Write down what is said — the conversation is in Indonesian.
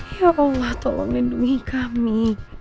ya allah tolong lindungi kami